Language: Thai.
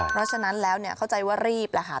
เพราะฉะนั้นแล้วเข้าใจว่ารีบแหละค่ะ